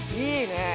いいね